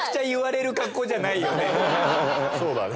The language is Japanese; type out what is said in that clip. そうだね。